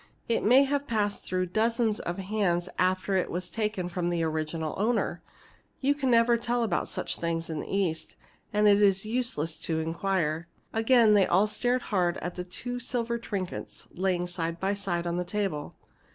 It may have passed through dozens of hands after it was taken from the original owner. You never can tell about such things in the East, and it's useless to inquire." Again they all stared hard at the two silver trinkets, lying side by side on the table.